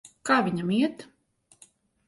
Kā viņam iet?